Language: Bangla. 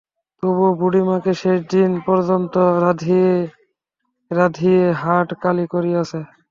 তবু বুড়ি মাকে শেষদিন পর্যন্ত রাঁধিয়ে রাঁধিয়ে হাড় কালি করিয়েছে।